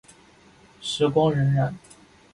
时光荏苒。